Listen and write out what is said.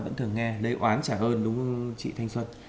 nghe lấy oán trả ơn đúng không chị thanh xuân